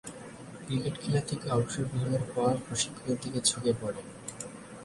Cricket খেলা থেকে অবসর গ্রহণের পর প্রশিক্ষণের দিকে ঝুঁকে পড়েন।